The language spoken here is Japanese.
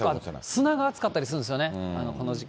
砂が熱かったりするんですよね、この時期。